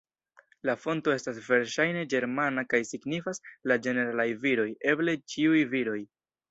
La fonto estas verŝajne ĝermana kaj signifas "la ĝeneralaj viroj", eble "ĉiuj viroj".